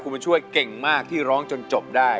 คุณบุญช่วยเก่งมากที่ร้องจนจบได้